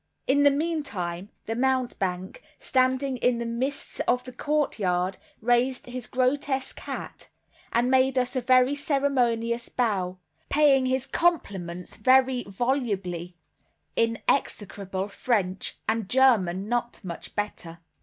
In the meantime, the mountebank, standing in the midst of the courtyard, raised his grotesque hat, and made us a very ceremonious bow, paying his compliments very volubly in execrable French, and German not much better.